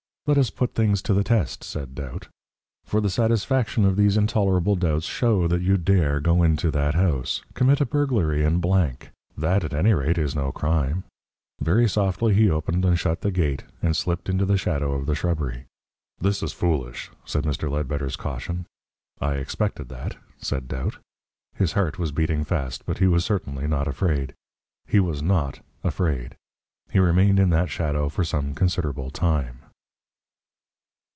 "Let us put things to the test," said Doubt. "For the satisfaction of these intolerable doubts, show that you dare go into that house. Commit a burglary in blank. That, at any rate, is no crime." Very softly he opened and shut the gate and slipped into the shadow of the shrubbery. "This is foolish," said Mr. Ledbetter's caution. "I expected that," said Doubt. His heart was beating fast, but he was certainly not afraid. He was NOT afraid. He remained in that shadow for some considerable time.